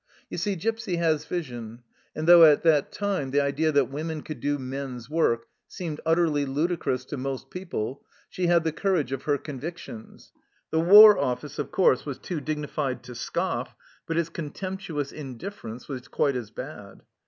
You see, Gipsy has vision, and though at that time the idea that women could do men's work seemed utterly ludicrous to most people, she had the courage of her convictions. The War Office, of course, was too dignified to scoff, but its contemp tuous indifference was quite as bad.